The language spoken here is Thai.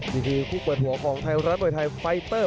นี่คือคู่เปิดหัวของไทยรัฐมวยไทยไฟเตอร์